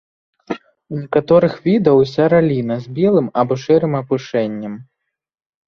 У некаторых відаў уся раліна з белым або шэрым апушэннем.